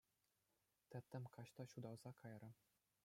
Тӗттӗм каҫ та ҫуталса кайрӗ.